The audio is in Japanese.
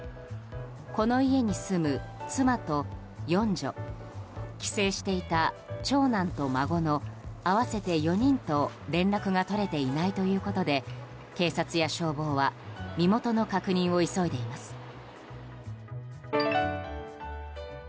この家に住む妻と四女帰省していた長男と孫の合わせて４人と連絡が取れていないということで警察や消防は身元の確認を急いでいます。